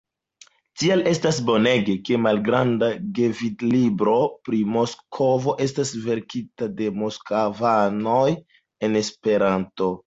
Tial estas bonege, ke Malgranda gvidlibro pri Moskvo estas verkita de moskvanoj en Esperanto.